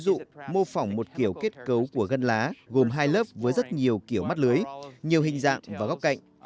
ví dụ mô phỏng một kiểu kết cấu của găn lá gồm hai lớp với rất nhiều kiểu mắt lưới nhiều hình dạng và góc cạnh